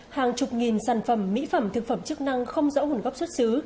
hàng chục nghìn sản phẩm mỹ phẩm thực phẩm chức năng không rõ nguồn gốc xuất xứ